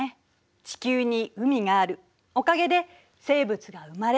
地球に海があるおかげで生物が生まれ進化した。